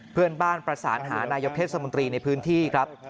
เพื่อนบ้านประสานหานายกเทศมนตรีในพื้นที่ครับ